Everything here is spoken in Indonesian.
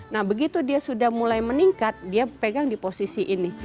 nah begitu dia sudah mulai meningkat dia pegang di posisi ini